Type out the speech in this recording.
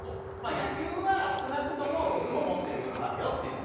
野球は少なくとも僕も持ってる部分はあるよっていうのは。